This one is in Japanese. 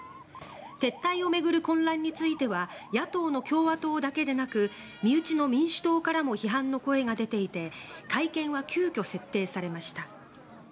撤退を巡る混乱については野党の共和党だけでなく身内の民主党からも批判の声が出ていて会見は急きょ設定されました。